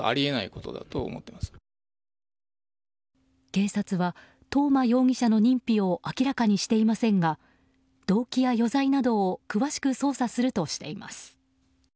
警察は、東間容疑者の認否を明らかにしていませんが動機や余罪などを詳しく捜査するとしています。